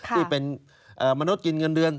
ที่เป็นมนุษย์กินเงินเดือน